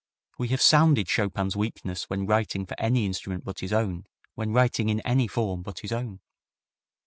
We have sounded Chopin's weakness when writing for any instrument but his own, when writing in any form but his own.